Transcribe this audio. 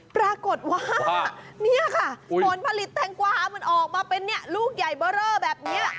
ปรากฏว่านี่ค่ะผลผลิตแตงกวามันออกมาเป็นลูกใหญ่เบอร์เรอแบบนี้